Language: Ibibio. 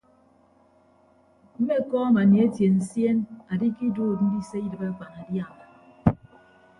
Mmekọọm anietie nsien andikiduud ndise idịb akpanadiama.